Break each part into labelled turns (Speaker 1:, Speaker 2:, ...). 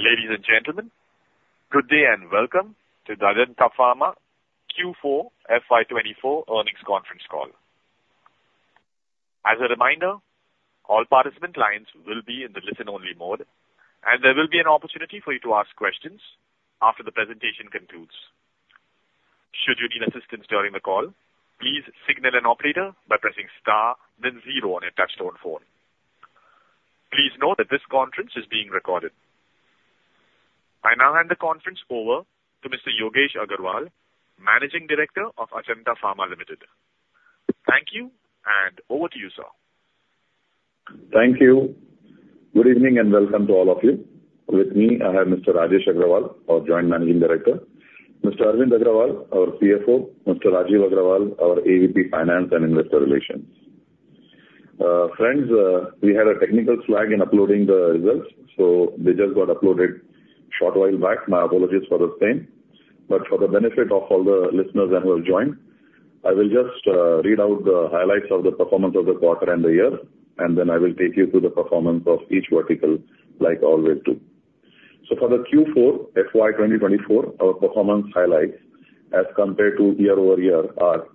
Speaker 1: Ladies and gentlemen, good day and welcome to the Ajanta Pharma Q4 FY 2024 Earnings Conference Call. As a reminder, all participant lines will be in the listen-only mode, and there will be an opportunity for you to ask questions after the presentation concludes. Should you need assistance during the call, please signal an operator by pressing star then zero on your touchtone phone. Please note that this conference is being recorded. I now hand the conference over to Mr. Yogesh Agrawal, Managing Director of Ajanta Pharma Limited. Thank you, and over to you, sir.
Speaker 2: Thank you. Good evening, and welcome to all of you. With me, I have Mr. Rajesh Agrawal, our Joint Managing Director, Mr. Arvind Agrawal, our CFO, Mr. Rajesh Agrawal, our AVP, Finance and Investor Relations. Friends, we had a technical snag in uploading the results, so they just got uploaded a short while back. My apologies for the same, but for the benefit of all the listeners and who have joined, I will just read out the highlights of the performance of the quarter and the year, and then I will take you through the performance of each vertical like I always do. So for the Q4 FY 2024, our performance highlights as compared to year-over-year are: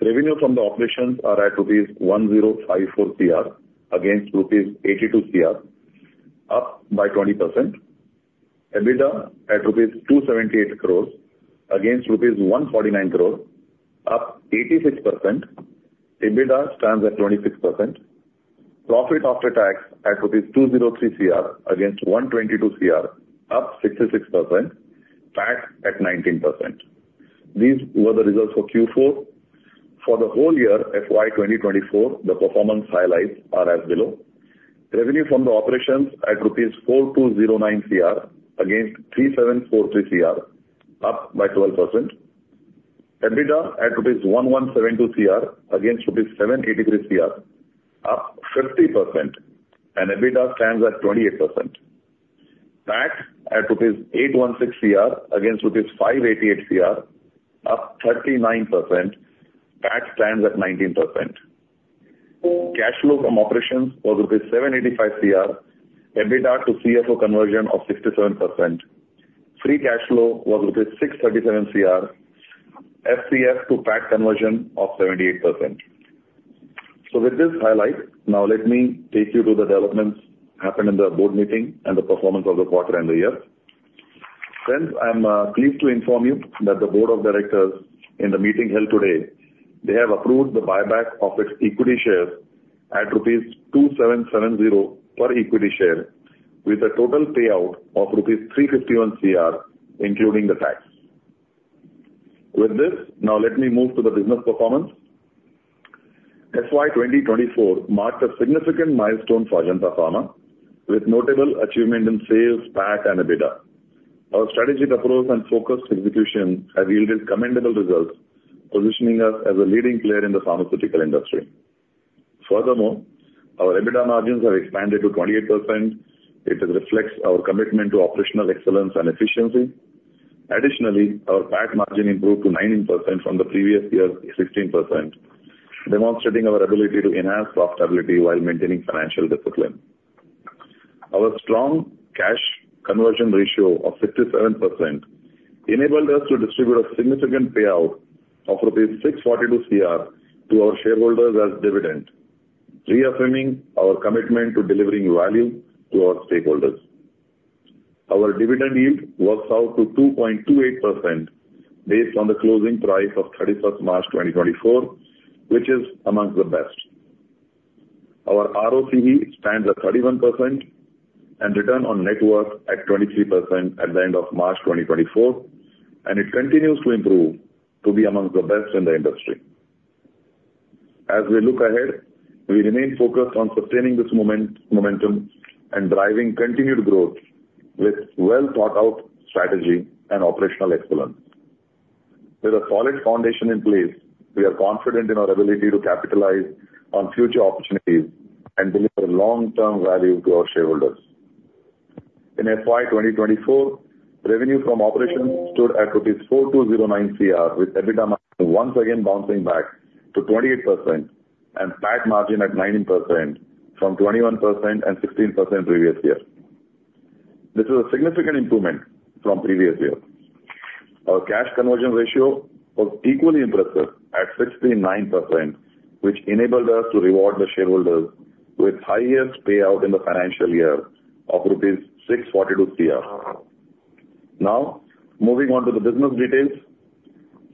Speaker 2: revenue from operations at rupees 1,054 cr against rupees 882 cr, up by 20%. EBITDA at rupees 278 crore, against rupees 149 crore, up 86%. EBITDA stands at 26%. Profit after tax at 203 cr against 122 cr, up 66%, PAT at 19%. These were the results for Q4. For the whole year, FY 2024, the performance highlights are as below: revenue from the operations at 4,209 rupees cr against 3,743 cr, up by 12%. EBITDA at rupees 1,172 cr against rupees 783 cr, up 50%, and EBITDA stands at 28%. PAT at rupees 816 cr against rupees 588 cr, up 39%. PAT stands at 19%. Cash flow from operations was rupees 785 cr. EBITDA to CFO conversion of 67%. Free cash flow was rupees 637 cr. FCF to PAT conversion of 78%. So with this highlight, now let me take you through the developments happened in the board meeting and the performance of the quarter and the year. Friends, I'm pleased to inform you that the board of directors in the meeting held today, they have approved the buyback of its equity share at rupees 2,770 per equity share, with a total payout of rupees 351 crore, including the tax. With this, now let me move to the business performance. FY 2024 marked a significant milestone for Ajanta Pharma, with notable achievement in sales, PAT, and EBITDA. Our strategic approach and focused execution have yielded commendable results, positioning us as a leading player in the pharmaceutical industry. Furthermore, our EBITDA margins have expanded to 28%. It reflects our commitment to operational excellence and efficiency. Additionally, our PAT margin improved to 19% from the previous year's 16%, demonstrating our ability to enhance profitability while maintaining financial discipline. Our strong cash conversion ratio of 67% enabled us to distribute a significant payout of rupees 642 crore to our shareholders as dividend, reaffirming our commitment to delivering value to our stakeholders. Our dividend yield works out to 2.28% based on the closing price of March 31st, 2024, which is among the best. Our ROCE stands at 31% and return on net worth at 23% at the end of March 2024, and it continues to improve to be among the best in the industry. As we look ahead, we remain focused on sustaining this momentum and driving continued growth with well-thought-out strategy and operational excellence. With a solid foundation in place, we are confident in our ability to capitalize on future opportunities and deliver long-term value to our shareholders. In FY 2024, revenue from operations stood at rupees 4,209 crore, with EBITDA once again bouncing back to 28% and PAT margin at 19% from 21% and 16% previous year. This is a significant improvement from previous year. Our cash conversion ratio was equally impressive at 69%, which enabled us to reward the shareholders with highest payout in the financial year of rupees 642 crore. Now, moving on to the business details.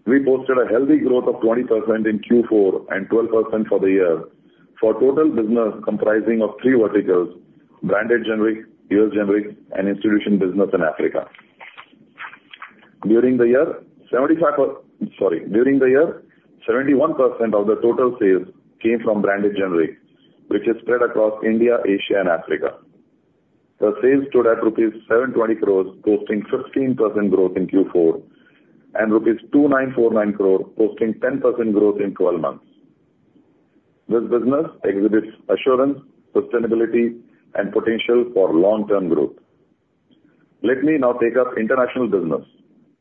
Speaker 2: We posted a healthy growth of 20% in Q4 and 12% for the year for total business comprising of three verticals: Branded Generic, U.S. Generic, and institution business in Africa. During the year, 75... Sorry, during the year, 71% of the total sales came from branded generic, which is spread across India, Asia and Africa. The sales stood at rupees 720 crore, posting 16% growth in Q4, and rupees 2,949 crore, posting 10% growth in twelve months. This business exhibits assurance, sustainability, and potential for long-term growth. Let me now take up international business,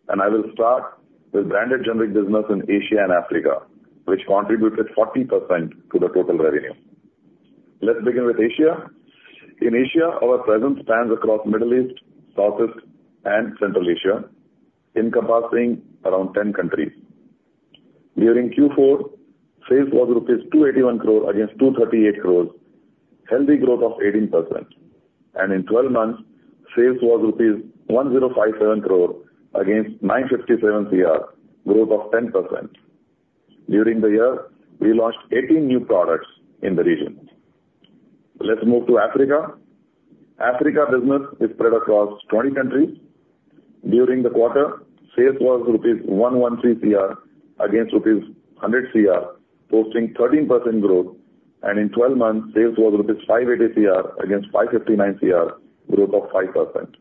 Speaker 2: and I will start with branded generic business in Asia and Africa, which contributed 40% to the total revenue. Let's begin with Asia. In Asia, our presence spans across Middle East, Southeast, and Central Asia, encompassing around 10 countries. During Q4, sales was rupees 281 crore against 238 crores, healthy growth of 18%. In 12 months, sales was rupees 1,057 crore against 957 cr, growth of 10%. During the year, we launched 18 new products in the region. Let's move to Africa. Africa business is spread across 20 countries. During the quarter, sales was rupees 113 Cr against rupees 100 Cr, posting 13% growth, and in 12 months, sales was rupees 580 cr against 559 cr, growth of 5%.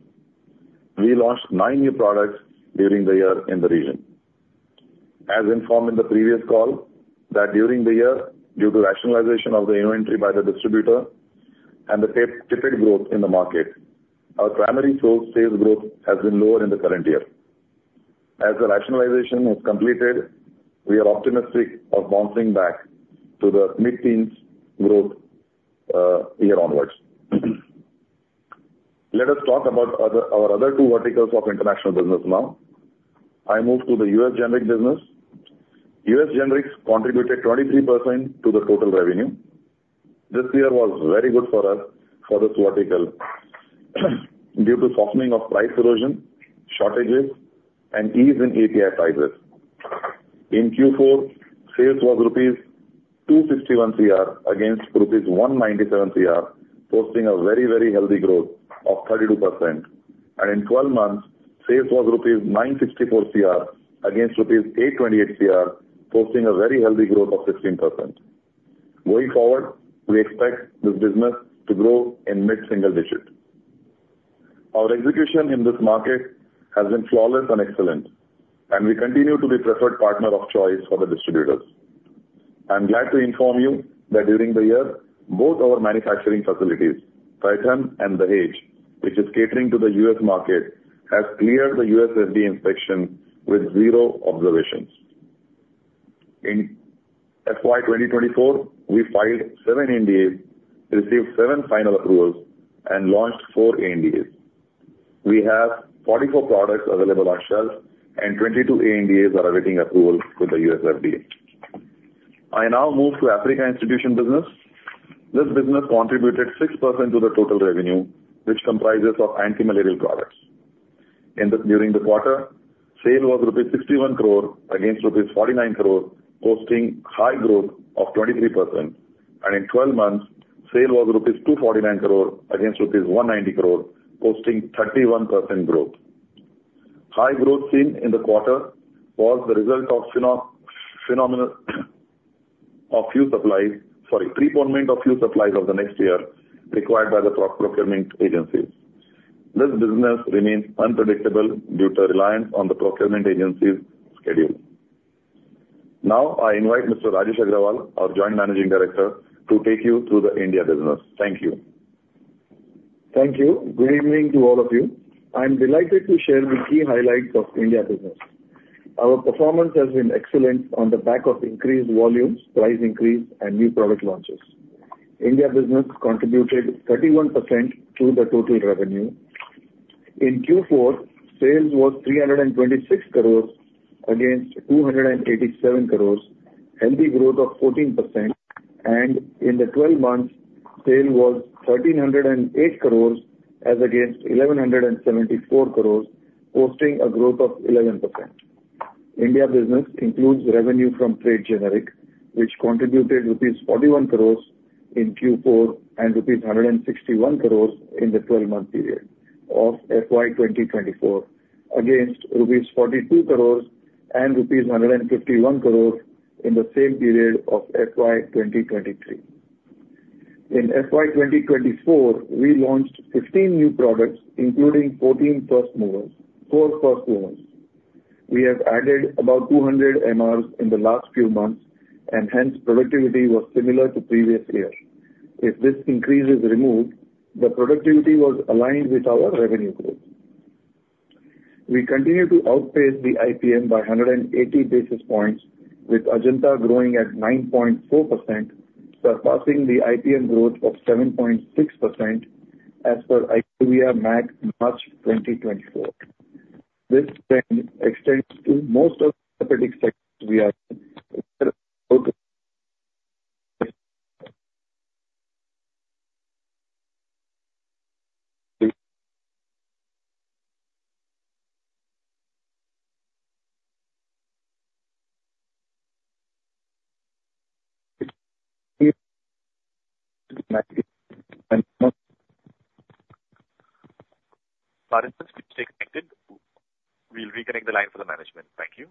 Speaker 2: We launched nine new products during the year in the region. As informed in the previous call, that during the year, due to rationalization of the inventory by the distributor and the tepid growth in the market, our primary source sales growth has been lower in the current year. As the rationalization was completed, we are optimistic of bouncing back to the mid-teens growth, year onwards. Let us talk about other, our other two verticals of international business now. I move to the U.S. generic business. U.S. generics contributed 23% to the total revenue. This year was very good for us for this vertical, due to softening of price erosion, shortages, and ease in API prices. In Q4, sales was rupees 261 crore against rupees 197 crore, posting a very, very healthy growth of 32%, and in 12 months, sales was rupees 964 crore against rupees 828 crore, posting a very healthy growth of 16%. Going forward, we expect this business to grow in mid-single digit. Our execution in this market has been flawless and excellent, and we continue to be preferred partner of choice for the distributors. I'm glad to inform you that during the year, both our manufacturing facilities, Paithan and Dahej, which is catering to the U.S. market, has cleared the U.S. FDA inspection with zero observations. In FY 2024, we filed seven NDAs, received seven final approvals, and launched four ANDAs. We have 44 products available on shelf, and 22 ANDAs are awaiting approval with the U.S. FDA. I now move to Africa institution business. This business contributed 6% to the total revenue, which comprises of antimalarial products. During the quarter, sale was rupees 61 crore against rupees 49 crore, posting high growth of 23%, and in 12 months, sale was rupees 249 crore against rupees 190 crore, posting 31% growth. High growth seen in the quarter was the result of... Sorry, preponement of few supplies of the next year, required by the procurement agencies. This business remains unpredictable due to reliance on the procurement agencies' schedule. Now, I invite Mr. Rajesh Agrawal, our Joint Managing Director, to take you through the India business. Thank you.
Speaker 3: Thank you. Good evening to all of you. I'm delighted to share the key highlights of India business. Our performance has been excellent on the back of increased volumes, price increase, and new product launches. India business contributed 31% to the total revenue. In Q4, sales was 326 crore against 287 crore, healthy growth of 14%, and in the 12 months, sale was 1,308 crore as against 1,174 crore, posting a growth of 11%. India business includes revenue from trade generic, which contributed rupees 41 crore in Q4 and rupees 161 crore in the 12-month period of FY 2024, against rupees 42 crore and rupees 151 crore in the same period of FY 2023. In FY 2024, we launched 15 new products, including 14 first movers-four first movers. We have added about 200 MRs in the last few months, and hence, productivity was similar to previous year. If this increase is removed, the productivity was aligned with our revenue growth. We continue to outpace the IPM by 180 basis points, with Ajanta growing at 9.4%, surpassing the IPM growth of 7.6% as per IQVIA March 2024. This trend extends to most of the therapeutic sectors we are...
Speaker 1: We'll reconnect the line for the management. Thank you....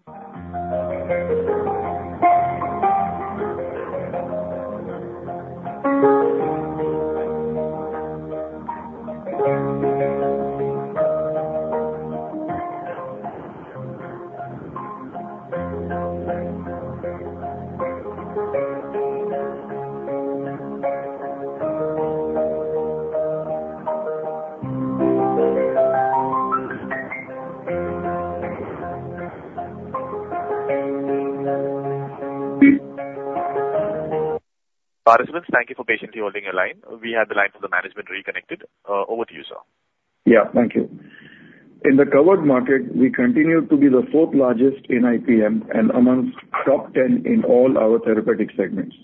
Speaker 1: Participants, thank you for patiently holding your line. We have the line from the management reconnected. Over to you, sir.
Speaker 3: Yeah, thank you. In the covered market, we continue to be the fourth largest in IPM and amongst top 10 in all our therapeutic segments.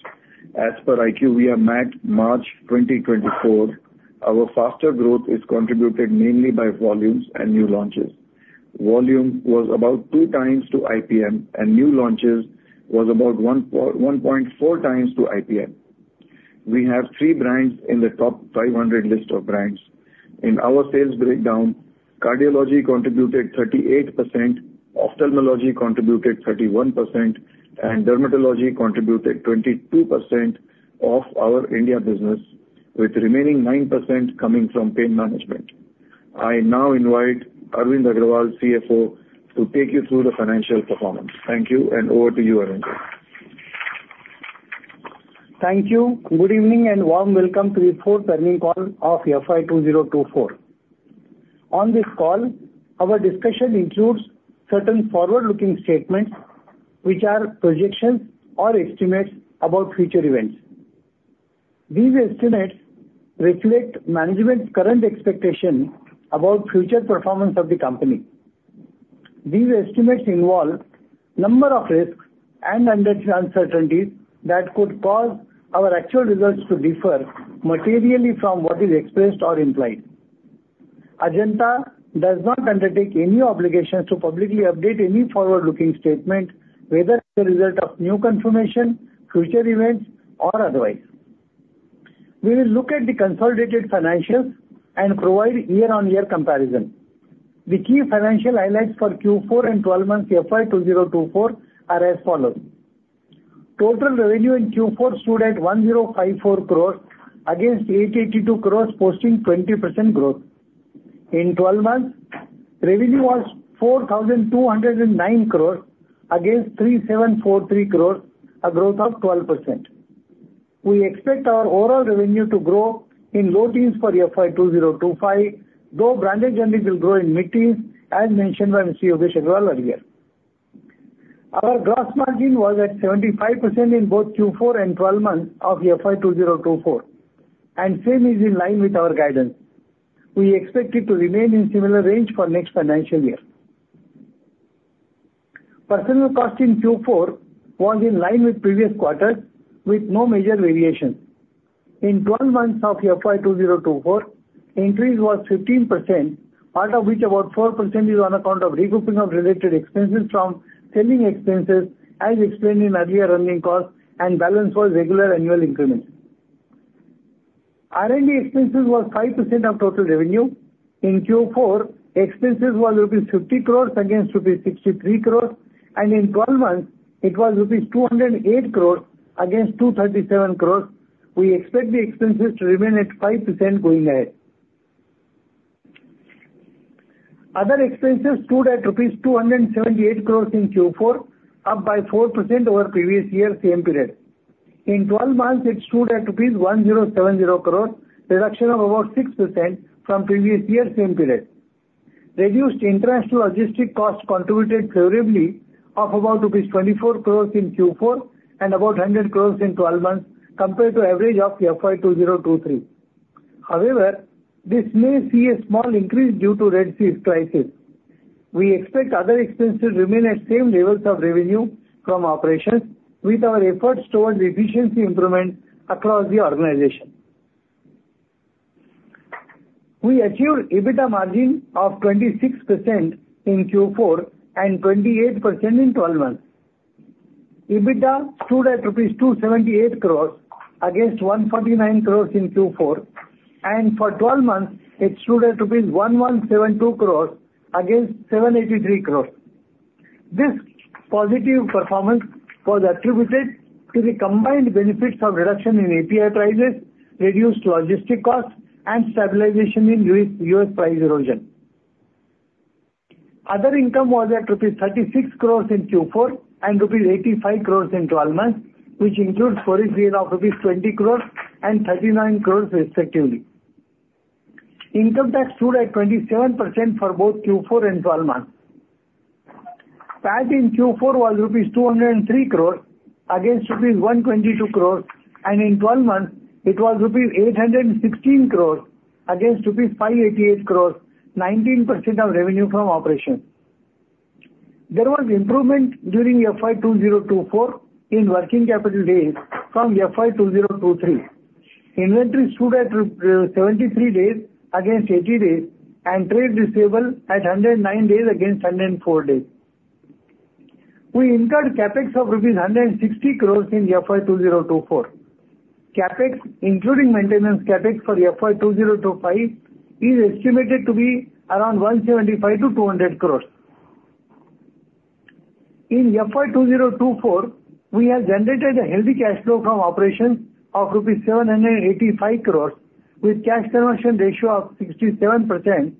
Speaker 3: As per IQVIA, we are at March 2024, our faster growth is contributed mainly by volumes and new launches. Volume was about 2x to IPM, and new launches was about 1.4x to IPM. We have three brands in the top 500 list of brands. In our sales breakdown, cardiology contributed 38%, ophthalmology contributed 31%, and dermatology contributed 22% of our India business, with remaining 9% coming from pain management. I now invite Arvind Agrawal, CFO, to take you through the financial performance. Thank you, and over to you, Arvind.
Speaker 4: Thank you. Good evening, and warm welcome to the fourth earnings call of FY 2024. On this call, our discussion includes certain forward-looking statements which are projections or estimates about future events. These estimates reflect management's current expectation about future performance of the company. These estimates involve a number of risks and uncertainties that could cause our actual results to differ materially from what is expressed or implied. Ajanta does not undertake any obligations to publicly update any forward-looking statement, whether as a result of new information, future events, or otherwise. We will look at the consolidated financials and provide year-on-year comparison. The key financial highlights for Q4 and 12 months FY 2024 are as follows: Total revenue in Q4 stood at 1,054 crores against 882 crores, posting 20% growth. In 12 months, revenue was 4,209 crore against 3,743 crore, a growth of 12%. We expect our overall revenue to grow in low teens for FY 2025, though branded generics will grow in mid-teens, as mentioned by Mr. Yogesh Agrawal earlier. Our gross margin was at 75% in both Q4 and 12 months of FY 2024, and same is in line with our guidance. We expect it to remain in similar range for next financial year. Personnel cost in Q4 was in line with previous quarters, with no major variation. In 12 months of FY 2024, increase was 15%, out of which about 4% is on account of regrouping of related expenses from selling expenses, as explained in earlier earnings calls, and balance was regular annual increments. R&D expenses was 5% of total revenue. In Q4, expenses was rupees 50 crore against rupees 63 crore, and in 12 months, it was rupees 208 crore against 237 crore. We expect the expenses to remain at 5% going ahead. Other expenses stood at rupees 278 crore in Q4, up by 4% over previous year same period. In 12 months, it stood at 1,070 crore, reduction of about 6% from previous year same period. Reduced interest logistic costs contributed favorably of about rupees 24 crore in Q4 and about 100 crore in 12 months, compared to average of FY 2023. However, this may see a small increase due to Red Sea crisis. We expect other expenses to remain at same levels of revenue from operations, with our efforts towards efficiency improvement across the organization. We achieved EBITDA margin of 26% in Q4 and 28% in 12 months. EBITDA stood at rupees 278 crore against 149 crore in Q4, and for 12 months, it stood at rupees 1,172 crore against 783 crore. This positive performance was attributed to the combined benefits of reduction in API prices, reduced logistic costs, and stabilization in U.S., U.S. price erosion. Other income was at rupees 36 crore in Q4 and rupees 85 crore in 12 months, which includes foreign gain of rupees 20 crore and 39 crore, respectively. Income tax stood at 27% for both Q4 and 12 months. PAT in Q4 was rupees 203 crores against rupees 122 crores, and in 12 months, it was rupees 816 crores against rupees 588 crores, 19% of revenue from operations. There was improvement during FY 2024 in working capital days from FY 2023. Inventory stood at 73 days against 80 days, and trade receivable at 109 days against 104 days. We incurred CapEx of rupees 160 crores in FY 2024. CapEx, including maintenance CapEx for FY 2025, is estimated to be around 175-200 crores. In FY 2024, we have generated a healthy cash flow from operations of rupees 785 crores, with cash conversion ratio of 67%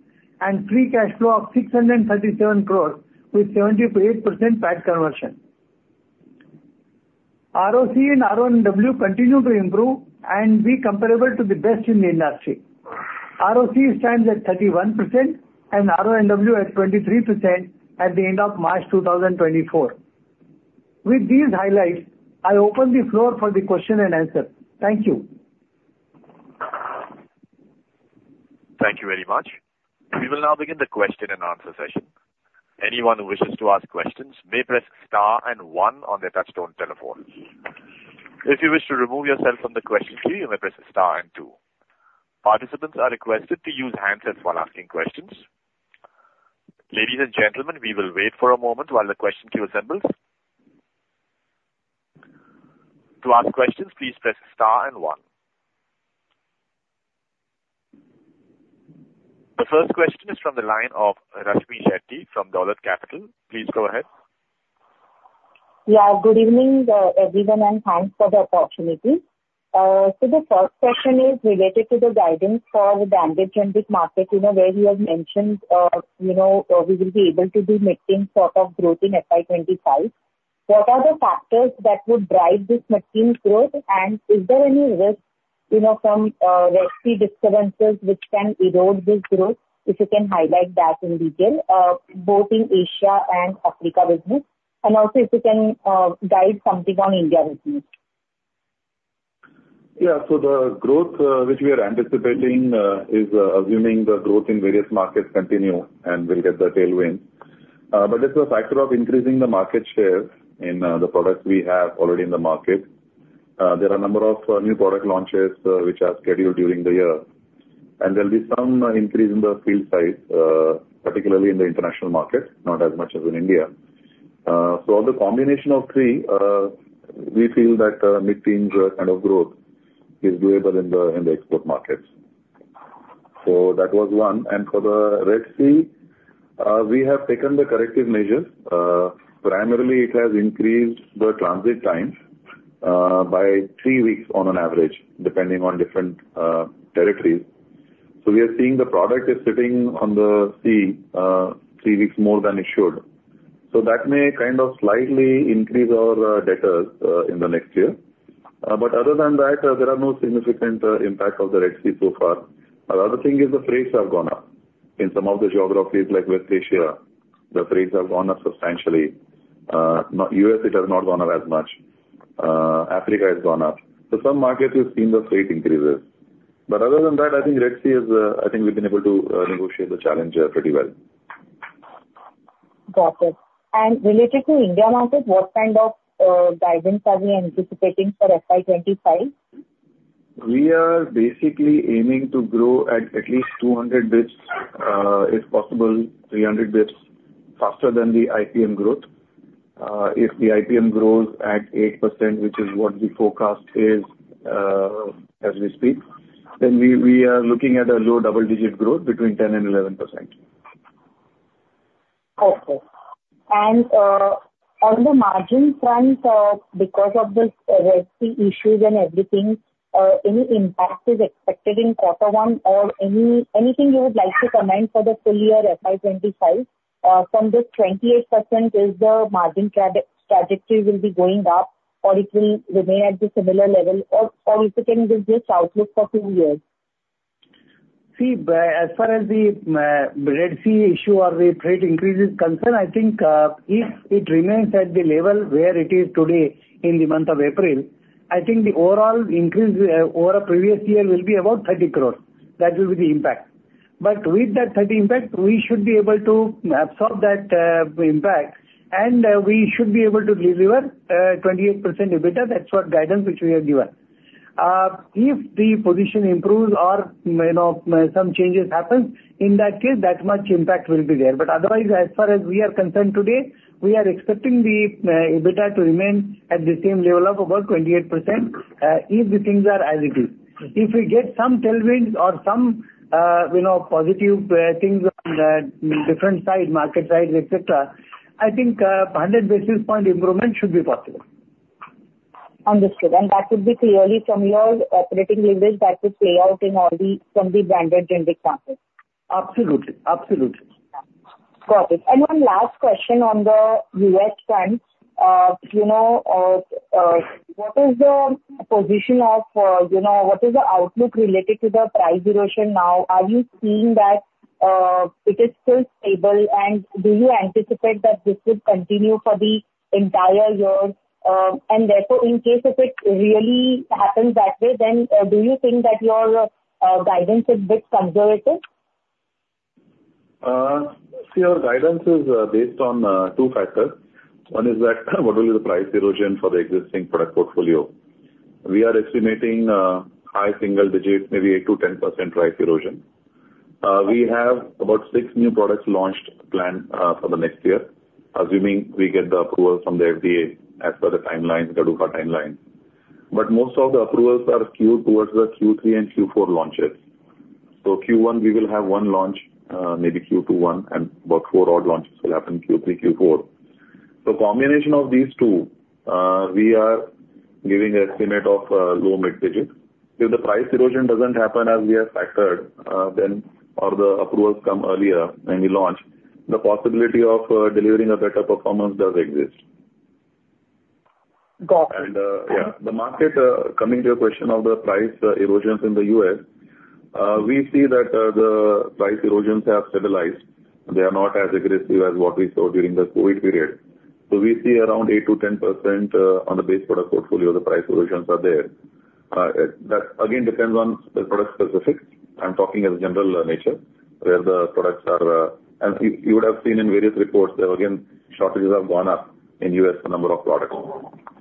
Speaker 4: and free cash flow of 637 crores, with 78% PAT conversion. ROC and RONW continue to improve and be comparable to the best in the industry. ROC stands at 31%, and RONW at 23% at the end of March 2024. With these highlights, I open the floor for the question and answer. Thank you.
Speaker 1: Thank you very much. We will now begin the question-and-answer session. Anyone who wishes to ask questions may press star and one on their touchtone telephone. If you wish to remove yourself from the question queue, you may press star and two. Participants are requested to use handsets while asking questions. Ladies and gentlemen, we will wait for a moment while the question queue assembles. To ask questions, please press star and one. The first question is from the line of Rashmi Shetty from Dolat Capital. Please go ahead.
Speaker 5: Yeah, good evening, everyone, and thanks for the opportunity. So the first question is related to the guidance for the branded and U.S. market, where you have mentioned we will be able to do mid-teen sort of growth in FY25. What are the factors that would drive this mid-teen growth? And is there any risk, you know, from Red Sea disturbances which can erode this growth? If you can highlight that in detail, both in Asia and Africa business, and also if you can guide something on India business.
Speaker 2: Yeah. So the growth which we are anticipating is assuming the growth in various markets continue and we'll get the tailwind. But it's a factor of increasing the market share in the products we have already in the market. There are a number of new product launches which are scheduled during the year, and there'll be some increase in the field size, particularly in the international market, not as much as in India. So the combination of three, we feel that mid-teen kind of growth is doable in the export markets. So that was one. And for the Red Sea, we have taken the corrective measures. Primarily, it has increased the transit times by three weeks on an average, depending on different territories. So we are seeing the product is sitting on the sea, three weeks more than it should. So that may kind of slightly increase our debtors in the next year. But other than that, there are no significant impact of the Red Sea so far. Another thing is the freights have gone up. In some of the geographies like West Asia, the freights have gone up substantially. Not U.S., it has not gone up as much. Africa has gone up. So some markets, we've seen the freight increases. But other than that, I think Red Sea is, I think we've been able to negotiate the challenge pretty well.
Speaker 5: Got it. Related to India market, what kind of guidance are we anticipating for FY25?
Speaker 2: We are basically aiming to grow at least 200 basis points, if possible, 300 basis points, faster than the IPM growth. If the IPM grows at 8%, which is what the forecast is, as we speak, then we are looking at a low double-digit growth between 10% and 11%.
Speaker 5: Okay. On the margin front, because of the Red Sea issues and everything, any impact is expected in quarter one or anything you would like to comment for the full year FY 2025? From this 28%, is the margin trajectory will be going up, or it will remain at the similar level, or, or if you can give the outlook for full year?
Speaker 4: See, but as far as the Red Sea issue or the freight increase is concerned, I think, if it remains at the level where it is today in the month of April, I think the overall increase over a previous year will be about 30 crore. That will be the impact. But with that 30 crore impact, we should be able to absorb that impact, and we should be able to deliver 28% EBITDA. That's what guidance which we have given. If the position improves or, you know, some changes happen, in that case, that much impact will be there. But otherwise, as far as we are concerned today, we are expecting the EBITDA to remain at the same level of about 28%, if the things are as it is. If we get some tailwinds or some, you know, positive things on the different side, market side, et cetera, I think 100 basis point improvement should be possible.
Speaker 5: Understood. And that would be clearly from your operating leverage that would play out in all from the branded generic markets.
Speaker 4: Absolutely. Absolutely.
Speaker 5: Got it. And one last question on the U.S. front. You know, what is the position of, you know, what is the outlook related to the price erosion now? Are you seeing that it is still stable, and do you anticipate that this would continue for the entire year? And therefore, in case if it really happens that way, then do you think that your guidance is a bit conservative?
Speaker 2: See, our guidance is based on two factors. One is that what will be the price erosion for the existing product portfolio? We are estimating high single digits, maybe 8% to 10% price erosion. We have about six new products launched planned for the next year, assuming we get the approval from the FDA as per the timeline, the GDUFA timeline. But most of the approvals are skewed towards the Q3 and Q4 launches. So Q1, we will have one launch, maybe Q2, one, and about four odd launches will happen in Q3, Q4. So combination of these two, we are giving an estimate of low mid digits. If the price erosion doesn't happen as we have factored, then or the approvals come earlier when we launch, the possibility of delivering a better performance does exist.
Speaker 5: Got it.
Speaker 2: And, yeah, the market, coming to your question of the price erosions in the U.S., we see that the price erosions have stabilized. They are not as aggressive as what we saw during the COVID period. So we see around 8% to 10%, on the base product portfolio, the price erosions are there. That again depends on the product specifics. I'm talking as a general nature, where the products are. As you would have seen in various reports, that again, shortages have gone up in U.S., the number of products.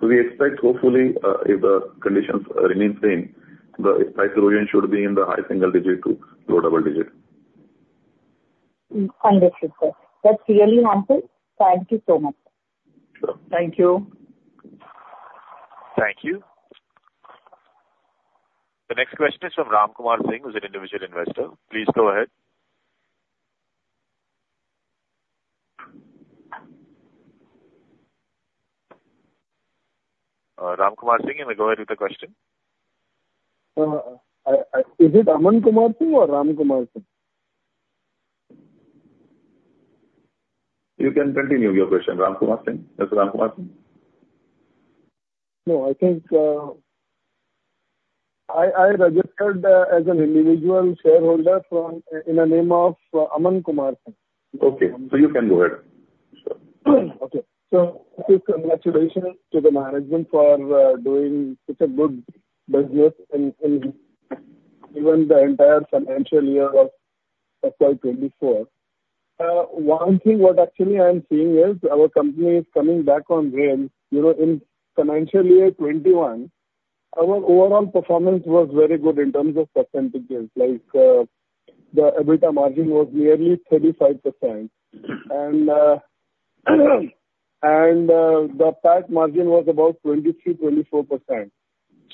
Speaker 2: So we expect hopefully, if the conditions remain same, the price erosion should be in the high single digit to low double digit.
Speaker 5: Understood, sir. That's really helpful. Thank you so much.
Speaker 2: Sure.
Speaker 4: Thank you.
Speaker 1: Thank you. The next question is from Ram Kumar Singh, who's an individual investor. Please go ahead. Ram Kumar Singh, you may go ahead with the question.
Speaker 2: Is it Aman Kumar Singh or Ram Kumar Singh?
Speaker 1: You can continue your question, Ram Kumar Singh. It's Ram Kumar Singh.
Speaker 6: No, I think I registered as an individual shareholder from in the name of Aman Kumar Singh.
Speaker 1: Okay. So you can go ahead.
Speaker 6: Sure. Okay. So quick congratulations to the management for doing such a good business in even the entire financial year of FY 2024. One thing what actually I'm seeing is our company is coming back on range. You know, in financial year 2021, our overall performance was very good in terms of percentages. Like, the EBITDA margin was nearly 35%. And the PAT margin was about 23% to 24%.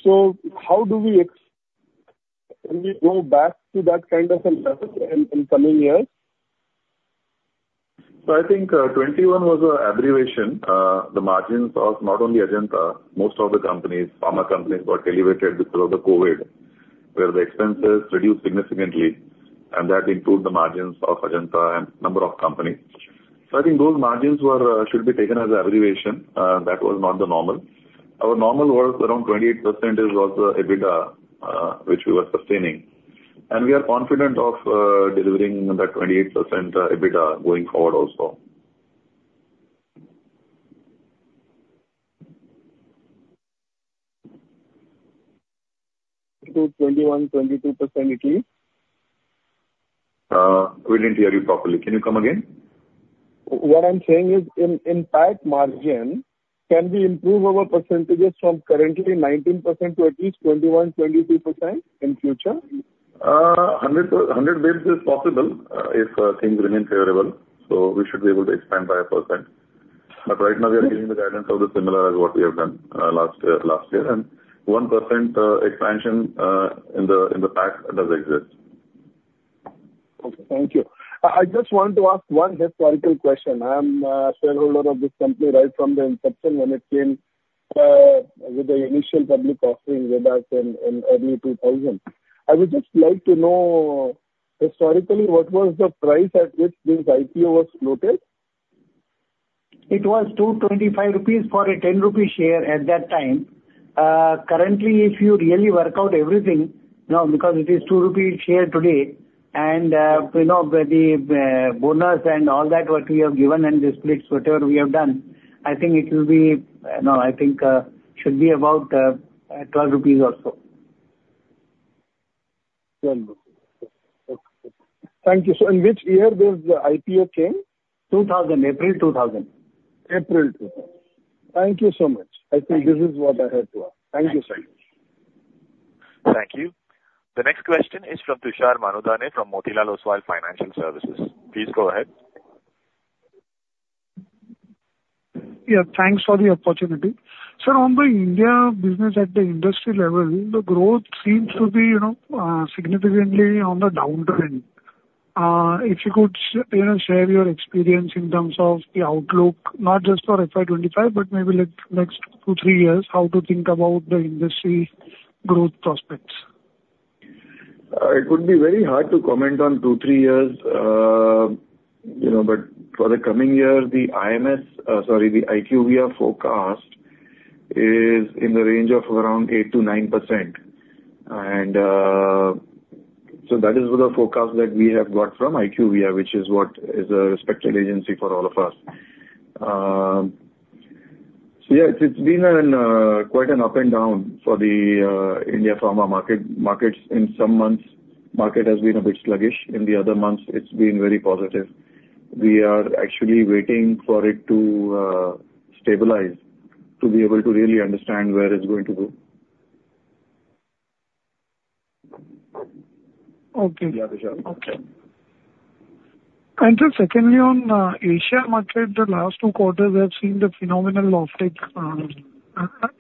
Speaker 6: So how do we... Can we go back to that kind of a level in coming years?
Speaker 4: So I think, 21 was an aberration. The margins of not only Ajanta, most of the companies, Pharma Companies, were elevated because of the COVID, where the expenses reduced significantly, and that improved the margins of Ajanta and number of companies. So I think those margins should be taken as an aberration. That was not the normal. Our normal was around 28% EBITDA, which we were sustaining, and we are confident of delivering that 28% EBITDA going forward also.
Speaker 6: To 21% to 22% at least?
Speaker 4: We didn't hear you properly. Can you come again?
Speaker 6: What I'm saying is in PAT margin, can we improve our percentages from currently 19% to at least 21% to 22% in future?
Speaker 4: 100% base is possible, if things remain favorable, so we should be able to expand by 1%. But right now, we are giving the guidance of the similar as what we have done last year, last year, and 1% expansion in the PAT does exist.
Speaker 6: Okay, thank you. I just want to ask one historical question. I am a shareholder of this company right from the inception when it came with the initial public offering way back in early 2000. I would just like to know historically, what was the price at which this IPO was floated?
Speaker 2: It was 225 rupees for a 10 rupee share at that time. Currently, if you really work out everything, you know, because it is 2 rupees share today, and, you know, the, bonus and all that what we have given and the splits, whatever we have done, I think it will be, no, I think, should be about, 12 rupees or so.
Speaker 6: INR 12. Okay. Thank you. So in which year this IPO came?
Speaker 4: 2000. April 2000.
Speaker 5: April 2000. Thank you so much.
Speaker 4: Thank you.
Speaker 6: I think this is what I had to ask. Thank you, sir.
Speaker 1: Thank you. The next question is from Tushar Manudhane from Motilal Oswal Financial Services. Please go ahead.
Speaker 7: Yeah, thanks for the opportunity. Sir, on the India business at the industry level, the growth seems to be, you know, significantly on the downtrend. If you could, you know, share your experience in terms of the outlook, not just for FY25, but maybe like next two, three years, how to think about the industry growth prospects?
Speaker 2: It would be very hard to comment on two, three years. You know, but for the coming year, the IMS, the IQVIA forecast is in the range of around 8% to 9%. And, so that is the forecast that we have got from IQVIA, which is what is a respected agency for all of us. So yes, it's been quite an up and down for the India Pharma Market, markets. In some months, market has been a bit sluggish. In the other months, it's been very positive. We are actually waiting for it to stabilize, to be able to really understand where it's going to go.
Speaker 7: Okay.
Speaker 1: Yeah, Tushar.
Speaker 7: Okay. And just secondly, on Asia market, the last two quarters, we have seen the phenomenal uptick,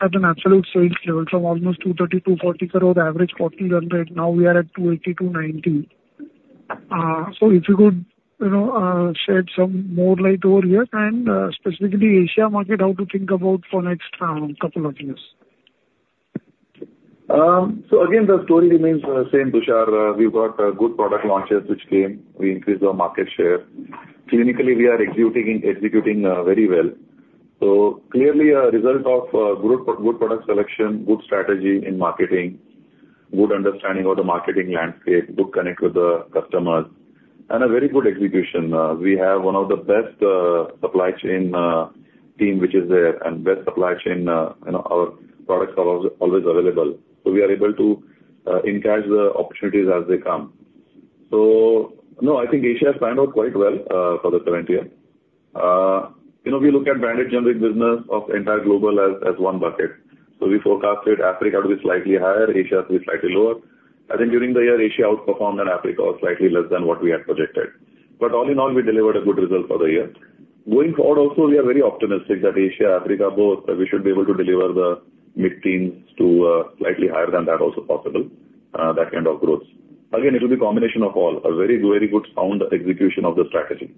Speaker 7: at an absolute sales level from almost 230-240 crore, the average quarterly run rate. Now we are at 280-290. So if you could, you know, shed some more light over here, and specifically Asia market, how to think about for next couple of years?
Speaker 2: So again, the story remains the same, Tushar. We've got good product launches which came, we increased our market share. Clinically, we are executing very well. So clearly, a result of good product selection, good strategy in marketing, good understanding of the marketing landscape, good connect with the customers, and a very good execution. We have one of the best supply chain team, which is there, and best supply chain, you know, our products are always, always available, so we are able to encash the opportunities as they come. So no, I think Asia has panned out quite well for the current year. You know, we look at branded generic business of entire global as one bucket. So we forecasted Africa to be slightly higher, Asia to be slightly lower. I think during the year, Asia outperformed and Africa was slightly less than what we had projected. But all in all, we delivered a good result for the year. Going forward, also, we are very optimistic that Asia, Africa, both, we should be able to deliver the mid-teens to, slightly higher than that also possible, that kind of growth. Again, it will be combination of all, a very, very good, sound execution of the strategy.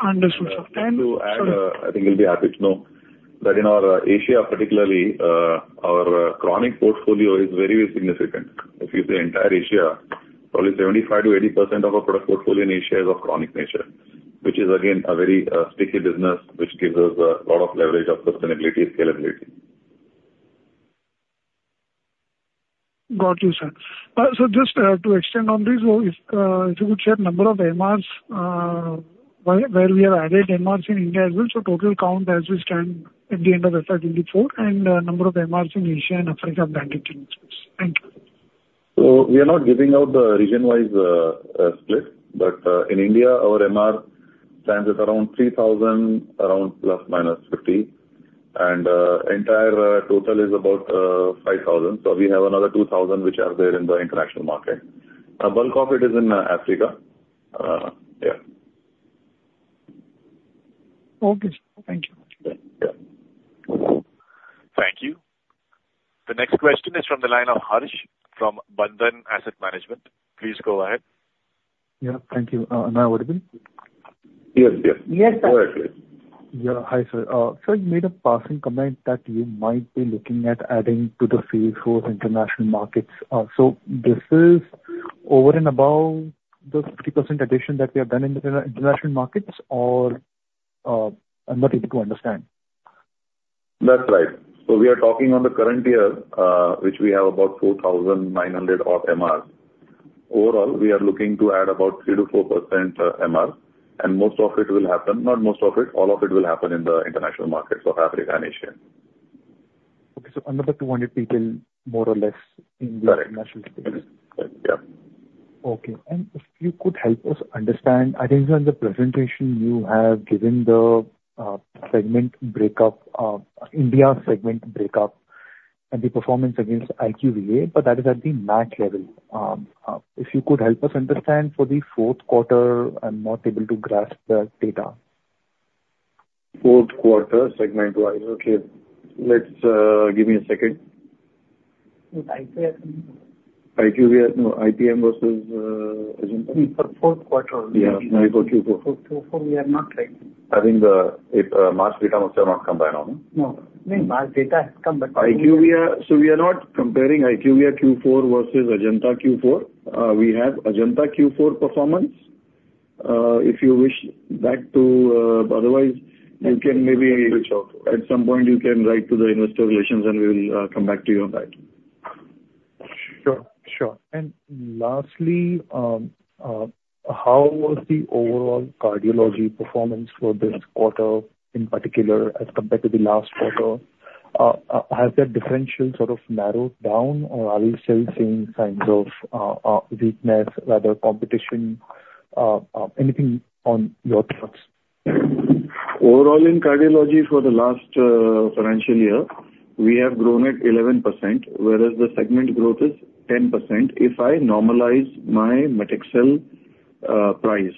Speaker 7: Understood, sir.
Speaker 2: To add, I think you'll be happy to know that in our Asia, particularly, our chronic portfolio is very, very significant. If you see the entire Asia, probably 75%-80% of our product portfolio in Asia is of chronic nature, which is, again, a very, sticky business, which gives us a lot of leverage of sustainability and scalability.
Speaker 7: Got you, sir. So just, to extend on this, if you could share number of MRs, where we have added MRs in India as well, so total count as we stand at the end of FY 2024, and, number of MRs in Asia and Africa, branded teams. Thank you.
Speaker 4: So we are not giving out the region-wise split. But, in India, our MR stands at around 3,000, around ±50, and entire total is about 5,000. So we have another 2,000 which are there in the international market. A bulk of it is in Africa. Yeah.
Speaker 7: Okay, sir. Thank you.
Speaker 2: Yeah.
Speaker 1: Thank you. The next question is from the line of Harsh, from Bandhan Asset Management. Please go ahead.
Speaker 8: Yeah, thank you. Am I audible?
Speaker 2: Yes, yes.
Speaker 8: Yes.
Speaker 2: Go ahead, please.
Speaker 8: Yeah. Hi, sir. So you made a passing comment that you might be looking at adding to the sales force international markets. So this is over and above the 50% addition that we have done in the international markets, or, I'm not able to understand.
Speaker 4: That's right. So we are talking on the current year, which we have about 4,900 of MRs. Overall, we are looking to add about 3%-4%, MR, and most of it will happen... Not most of it, all of it will happen in the international markets, so Africa and Asia.
Speaker 8: Okay, so another 200 people, more or less-
Speaker 2: Correct.
Speaker 8: In the international space.
Speaker 2: Yeah.
Speaker 8: Okay. If you could help us understand, I think in the presentation you have given the segment breakup, India segment breakup and the performance against IQVIA, but that is at the MAT level. If you could help us understand for the fourth quarter, I'm not able to grasp the data.
Speaker 2: Fourth quarter, segment-wise. Okay. Let's give me a second.
Speaker 8: IQVIA.
Speaker 2: IQVIA, no, IPM versus Ajanta.
Speaker 8: For fourth quarter.
Speaker 2: Yes, sorry, for Q4.
Speaker 8: For Q4, we are not right.
Speaker 2: I think the March results have not come by now, no?
Speaker 8: No. I mean, March data has come, but-
Speaker 2: IQVIA, so we are not comparing IQVIA Q4 versus Ajanta Q4. We have Ajanta Q4 performance. If you wish that to... Otherwise, you can maybe-
Speaker 8: Reach out.
Speaker 2: At some point, you can write to the investor relations, and we will come back to you on that.
Speaker 8: Sure, sure. And lastly, how was the overall cardiology performance for this quarter in particular, as compared to the last quarter? Has that differential sort of narrowed down, or are you still seeing signs of weakness, rather, competition, anything on your thoughts?
Speaker 2: Overall, in cardiology for the last financial year, we have grown at 11%, whereas the segment growth is 10% if I normalize my metaxalone price.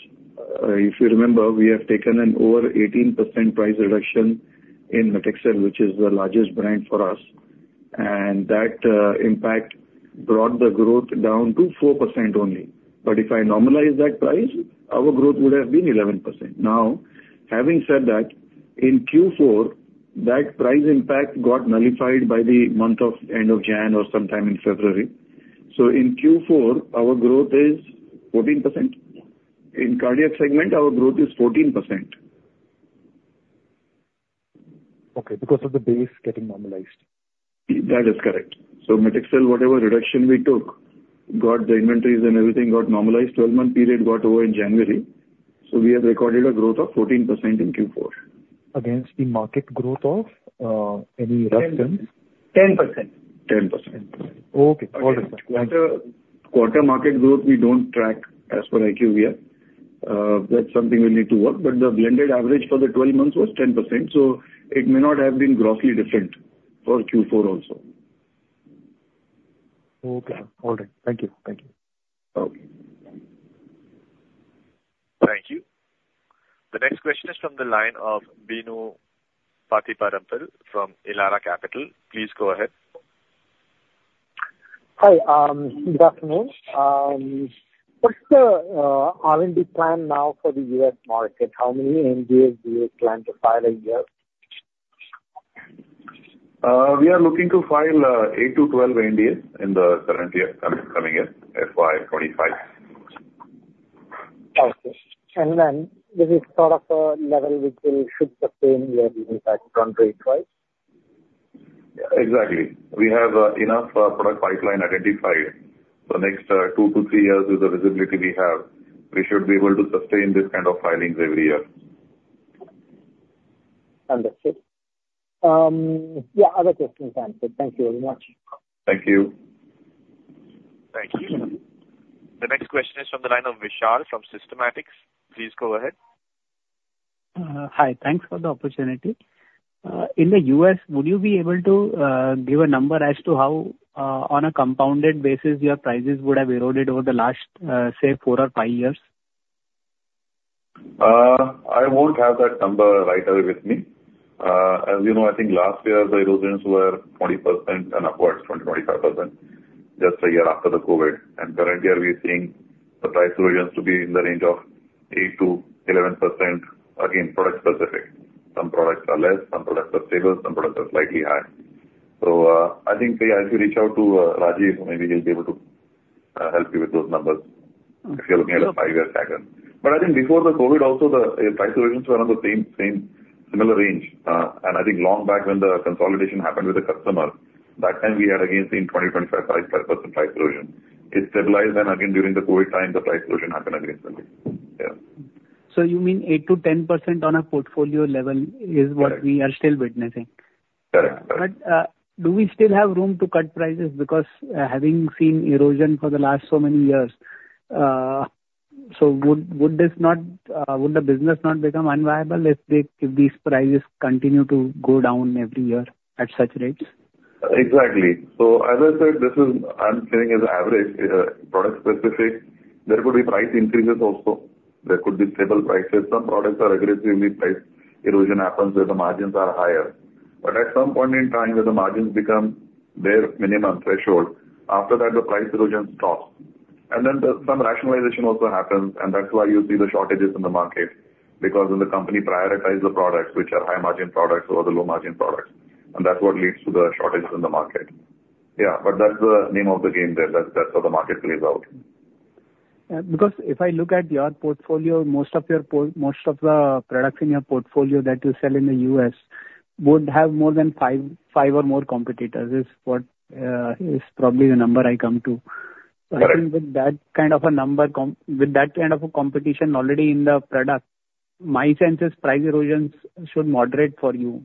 Speaker 2: If you remember, we have taken an over 18% price reduction in metaxalone, which is the largest brand for us, and that impact brought the growth down to 4% only. But if I normalize that price, our growth would have been 11%. Now, having said that, in Q4, that price impact got nullified by the month of end of January or sometime in February. So in Q4, our growth is 14%. In cardiac segment, our growth is 14%.
Speaker 8: Okay, because of the base getting normalized.
Speaker 2: That is correct. So metaxalone, whatever reduction we took, got the inventories and everything got normalized. 12-month period got over in January, so we have recorded a growth of 14% in Q4.
Speaker 8: Against the market growth of any estimate?
Speaker 3: 10%.
Speaker 2: 10%.
Speaker 8: Okay, all right.
Speaker 2: Quarter, quarter market growth, we don't track as per IQVIA. That's something we need to work, but the blended average for the 12 months was 10%, so it may not have been grossly different for Q4 also.
Speaker 8: Okay. All right. Thank you. Thank you.
Speaker 2: Okay....
Speaker 1: This question is from the line of Bino Pathuparampil from Elara Capital. Please go ahead.
Speaker 9: Hi, good afternoon. What's the R&D plan now for the U.S. market? How many NDAs do you plan to file a year?
Speaker 2: We are looking to file 8-12 NDAs in the current year coming in FY 2025.
Speaker 9: Okay. And then this is sort of a level which will should sustain your impact country-wise?
Speaker 2: Exactly. We have enough product pipeline identified. The next two to three years is the visibility we have. We should be able to sustain this kind of filings every year.
Speaker 9: Understood. Yeah, other questions answered. Thank you very much.
Speaker 2: Thank you.
Speaker 1: Thank you. The next question is from the line of Vishal from Systematix. Please go ahead.
Speaker 10: Hi. Thanks for the opportunity. In the U.S., would you be able to give a number as to how, on a compounded basis, your prices would have eroded over the last, say, four or five years?
Speaker 2: I won't have that number right away with me. As you know, I think last year the erosions were 20% and upwards, 20% to 25%, just a year after the COVID. Currently, we are seeing the price erosions to be in the range of 8% to 11%. Again, product specific. Some products are less, some products are stable, some products are slightly high. So, I think we, as you reach out to Rajiv, maybe he'll be able to help you with those numbers, if you're looking at a five-year pattern. But I think before the COVID also, the price erosions were on the same, same, similar range. And I think long back when the consolidation happened with the customer, that time we had again seen 20%, 25%, 35% price erosion. It stabilized, and again during the COVID time, the price erosion happened again. Yeah.
Speaker 10: You mean 8% to 10% on a portfolio level is what-
Speaker 2: Correct.
Speaker 10: We are still witnessing?
Speaker 2: Correct.
Speaker 10: But, do we still have room to cut prices? Because, having seen erosion for the last so many years, so would this not, would the business not become unviable if these prices continue to go down every year at such rates?
Speaker 2: Exactly. So as I said, this is, I'm saying as an average, product specific, there could be price increases also. There could be stable prices. Some products are aggressively priced. Erosion happens where the margins are higher. But at some point in time, when the margins become their minimum threshold, after that, the price erosion stops. And then the, some rationalization also happens, and that's why you see the shortages in the market. Because when the company prioritize the products, which are high-margin products over the low-margin products, and that's what leads to the shortages in the market. Yeah, but that's the name of the game there. That's, that's how the market plays out.
Speaker 10: Because if I look at your portfolio, most of the products in your portfolio that you sell in the U.S. would have more than five, five or more competitors, is what is probably the number I come to.
Speaker 2: Correct.
Speaker 10: I think with that kind of a competition already in the product, my sense is price erosions should moderate for you,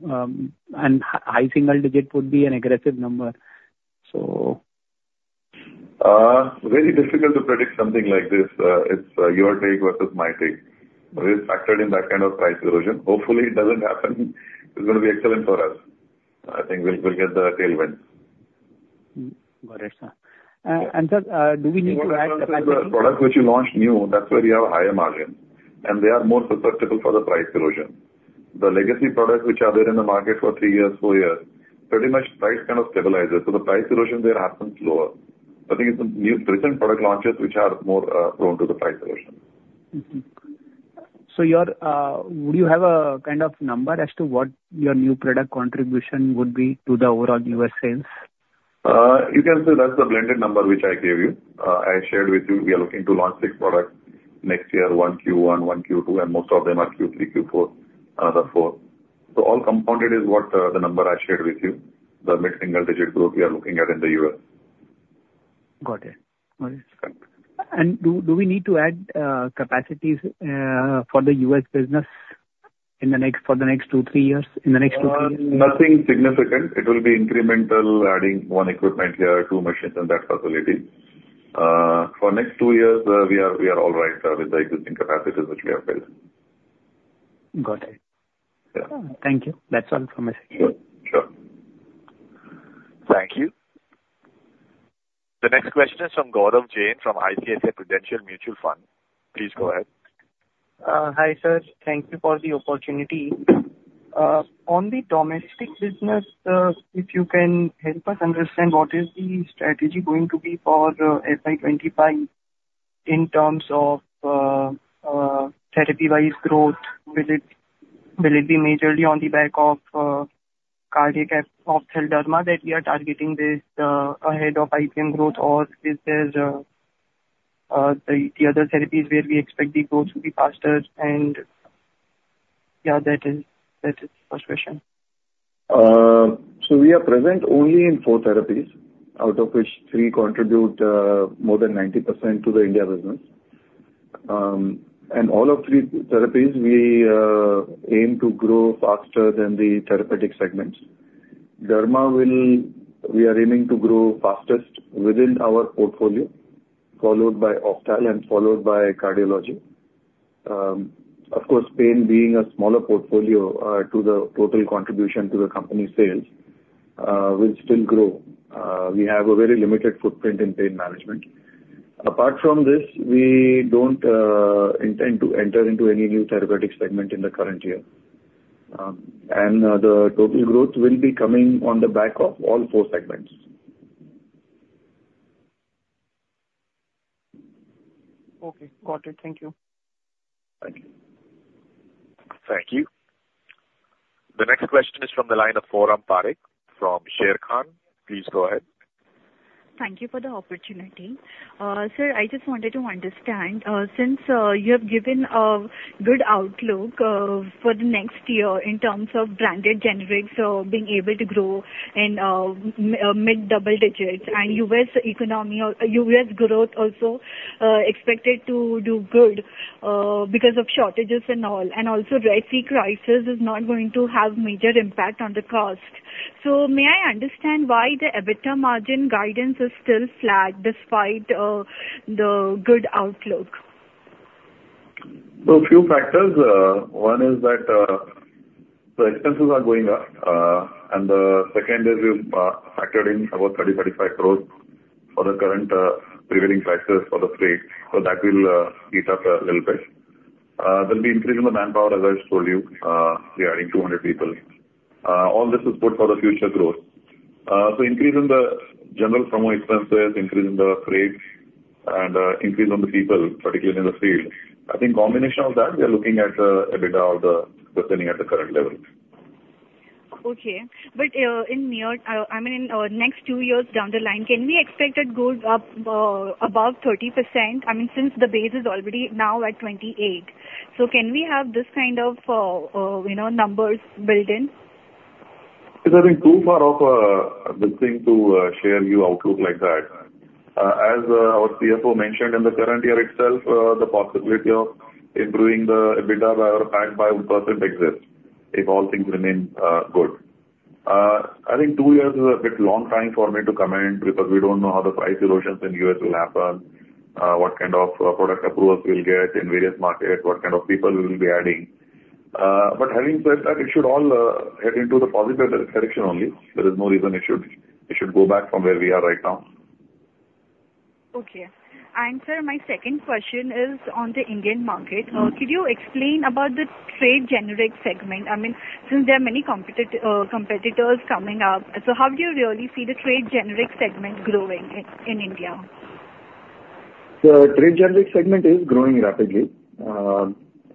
Speaker 10: and high single digit would be an aggressive number. So...
Speaker 2: Very difficult to predict something like this. It's your take versus my take. We've factored in that kind of price erosion. Hopefully, it doesn't happen. It's gonna be excellent for us. I think we'll get the tailwind.
Speaker 10: Got it, sir. And sir, do we need to add-
Speaker 2: Products which you launch new, that's where you have a higher margin, and they are more susceptible for the price erosion. The legacy products, which are there in the market for three years, four years, pretty much price kind of stabilizes, so the price erosion there happens slower. I think it's the new recent product launches which are more prone to the price erosion.
Speaker 10: Mm-hmm. So you're, would you have a kind of number as to what your new product contribution would be to the overall U.S. sales?
Speaker 2: You can say that's the blended number which I gave you. I shared with you, we are looking to launch six products next year, 1 Q1, 1 Q2, and most of them are Q3, Q4, another four. So all compounded is what, the number I shared with you, the mid-single-digit growth we are looking at in the U.S..
Speaker 10: Got it. Got it.
Speaker 2: Right.
Speaker 10: Do we need to add capacities for the U.S. business in the next two to three years? In the next two to three years?
Speaker 2: Nothing significant. It will be incremental, adding one equipment here, two machines in that facility. For next two years, we are all right, with the existing capacities which we have built.
Speaker 10: Got it.
Speaker 2: Yeah.
Speaker 10: Thank you. That's all from my side.
Speaker 2: Sure.
Speaker 1: Thank you. The next question is from Gaurav Jain, from ICICI Prudential Mutual Fund. Please go ahead.
Speaker 11: Hi, sir. Thank you for the opportunity. On the domestic business, if you can help us understand what is the strategy going to be for FY25 in terms of therapy-wise growth? Will it, will it be majorly on the back of cardiac and Ophthal Derma that we are targeting this ahead of IPM growth? Or is there the other therapies where we expect the growth to be faster? And yeah, that is the first question.
Speaker 2: So we are present only in four therapies, out of which three contribute more than 90% to the India business. And all of three therapies, we aim to grow faster than the therapeutic segments. Derma will... We are aiming to grow fastest within our portfolio, followed by Ophthal, and followed by Cardiology. Of course, pain being a smaller portfolio to the total contribution to the company sales.... will still grow. We have a very limited footprint in pain management. Apart from this, we don't intend to enter into any new therapeutic segment in the current year. And the total growth will be coming on the back of all four segments.
Speaker 11: Okay, got it. Thank you.
Speaker 2: Thank you.
Speaker 1: Thank you. The next question is from the line of Forum Parekh from Sharekhan. Please go ahead.
Speaker 12: Thank you for the opportunity. Sir, I just wanted to understand, since you have given a good outlook for the next year in terms of branded generics, so being able to grow and mid double digits, and U.S. generics growth also expected to do good because of shortages and all. And also, Red Sea crisis is not going to have major impact on the cost. So may I understand why the EBITDA margin guidance is still flat despite the good outlook?
Speaker 4: So a few factors. One is that, the expenses are going up, and the second is we've factored in about 30 crore-35 crore for the current, prevailing prices for the freight, so that will eat up a little bit. There'll be increase in the manpower, as I just told you, we are adding 200 people. All this is good for the future growth. So increase in the general promo expenses, increase in the freights and, increase on the people, particularly in the field. I think combination of that, we are looking at, EBITDA sustaining at the current level.
Speaker 12: Okay. But, I mean, in the next two years down the line, can we expect it to go up above 30%? I mean, since the base is already now at 28. So can we have this kind of, you know, numbers built in?
Speaker 2: It is, I think, too far off a good thing to share your outlook like that. As our CFO mentioned in the current year itself, the possibility of improving the EBITDA by 5% exists, if all things remain good. I think two years is a bit long time for me to comment, because we don't know how the price erosions in the U.S. will happen, what kind of product approvals we'll get in various markets, what kind of people we will be adding. But having said that, it should all head into the positive direction only. There is no reason it should go back from where we are right now.
Speaker 12: Okay. And sir, my second question is on the Indian market. Could you explain about the trade generic segment? I mean, since there are many competitors coming up, so how do you really see the trade generic segment growing in India?
Speaker 2: So Trade Generic Segment is growing rapidly,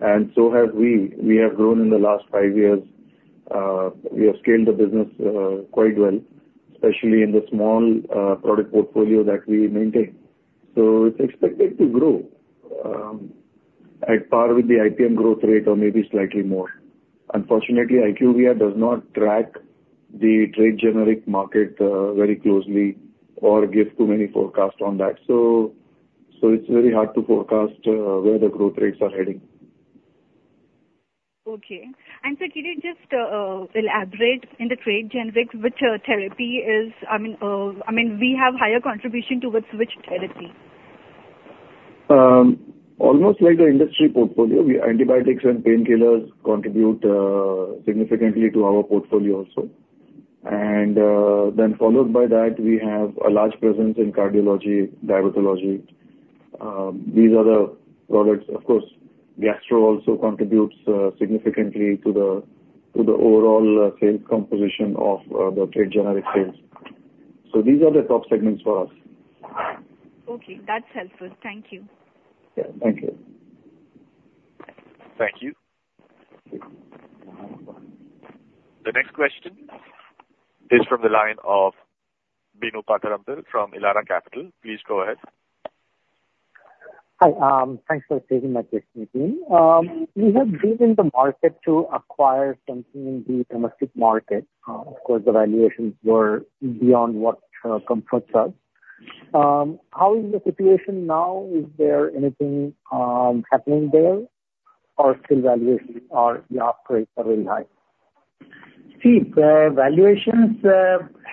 Speaker 2: and so have we. We have grown in the last five years. We have scaled the business quite well, especially in the small product portfolio that we maintain. So it's expected to grow at par with the IPM growth rate or maybe slightly more. Unfortunately, IQVIA does not track the Trade Generic market very closely or give too many forecasts on that. So, so it's very hard to forecast where the growth rates are heading.
Speaker 12: Okay. And sir, could you just elaborate in the trade generics, which therapy is... I mean, we have higher contribution towards which therapy?
Speaker 2: Almost like the industry portfolio, antibiotics and painkillers contribute significantly to our portfolio also. And then followed by that, we have a large presence in cardiology, diabetology. These are the products. Of course, gastro also contributes significantly to the overall sales composition of the trade generic sales. So these are the top segments for us.
Speaker 12: Okay, that's helpful. Thank you.
Speaker 2: Yeah. Thank you.
Speaker 1: Thank you. The next question is from the line of Bino Pathiparampil from Elara Capital. Please go ahead.
Speaker 9: Hi. Thanks for taking my question, again. You have been in the market to acquire something in the domestic market. Of course, the valuations were beyond what comforts us. How is the situation now? Is there anything happening there or still valuations are, yeah, prices are really high?
Speaker 2: See, the valuations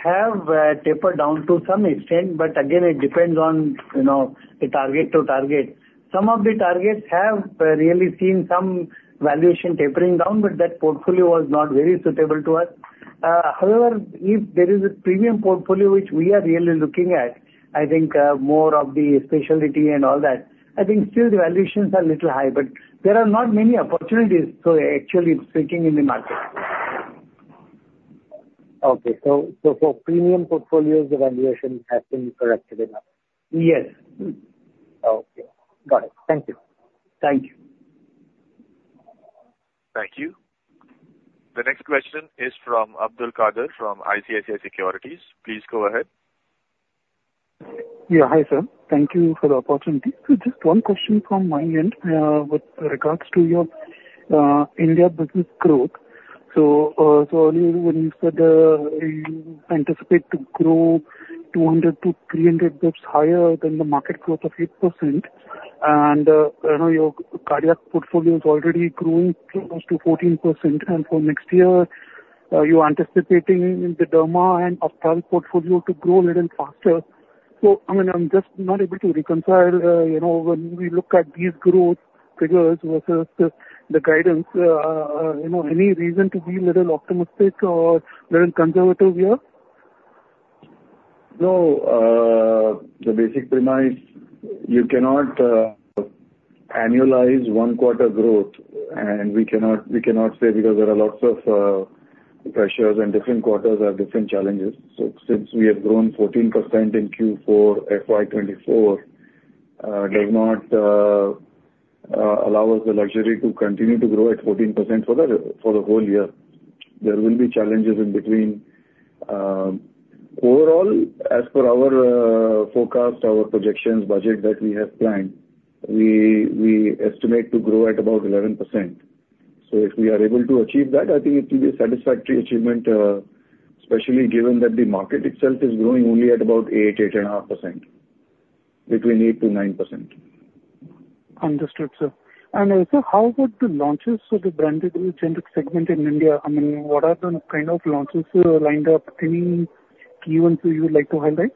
Speaker 2: have tapered down to some extent, but again, it depends on, you know, the target to target. Some of the targets have really seen some valuation tapering down, but that portfolio was not very suitable to us. However, if there is a premium portfolio which we are really looking at, I think more of the specialty and all that, I think still the valuations are a little high, but there are not many opportunities, so actually it's shrinking in the market.
Speaker 9: Okay. So, for premium portfolios, the valuations have been corrected enough?
Speaker 2: Yes.
Speaker 9: Okay, got it. Thank you.
Speaker 2: Thank you.
Speaker 1: Thank you. The next question is from Abdulkader Puranwala from ICICI Securities. Please go ahead.
Speaker 13: Yeah, hi, sir. Thank you for the opportunity. Just one question from my end, with regards to your India business growth. So, earlier when you said you anticipate to grow 200-300 basis points higher than the market growth of 8%, and I know your cardiac portfolio is already growing close to 14%. And for next year, are you anticipating the derma and ophthalmic portfolio to grow a little faster? So, I mean, I'm just not able to reconcile, you know, when we look at these growth figures versus the guidance. You know, any reason to be a little optimistic or a little conservative here?
Speaker 2: No, the basic premise, you cannot annualize one quarter growth, and we cannot, we cannot say because there are lots of pressures, and different quarters have different challenges. So since we have grown 14% in Q4, FY 2024, does not allow us the luxury to continue to grow at 14% for the whole year. There will be challenges in between. Overall, as per our forecast, our projections budget that we have planned, we estimate to grow at about 11%. So if we are able to achieve that, I think it will be a satisfactory achievement, especially given that the market itself is growing only at about 8, 8.5%. Between 8%-9%.
Speaker 13: Understood, sir. And also, how about the launches for the branded generic segment in India? I mean, what are the kind of launches lined up? Any key ones you would like to highlight?